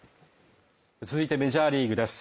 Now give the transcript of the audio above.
続いてメジャーリーグです。